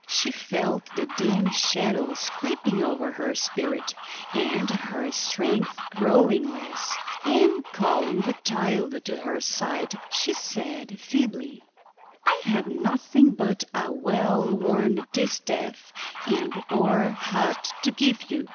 She felt the dim shadows creeping over her spirit, and her strength growing less; and calling the child to her side, she said, feebly: "I have nothing but a well worn distaff and the poor hut to give you.